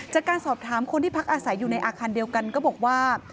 จากการสอบถามคนที่พักอาศัยอยู่ในอาคารเดียวกันก็บอกว่า